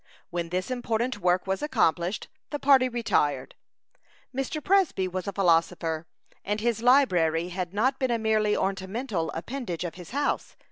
When this important work was accomplished, the party retired. Mr. Presby was a philosopher, and his library had not been a merely ornamental appendage of his house.